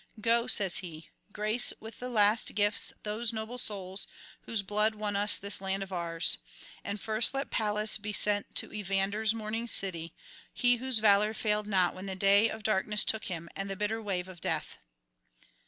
Go,' says he, 'grace with the last gifts those noble souls whose blood won us this land for ours; and first let Pallas be sent to Evander's mourning city, he whose valour failed not when the day of darkness took him, and the bitter wave of death.'